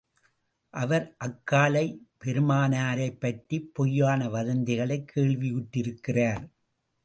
அவர் அக்காலை பெருமானாரைப் பற்றிப் பொய்யான வதந்திகளைக் கேள்வியுற்றிருக்கிறார்.